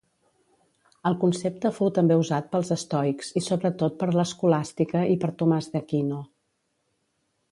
El concepte fou també usat pels estoics i, sobretot per l'escolàstica i per Tomàs d'Aquino.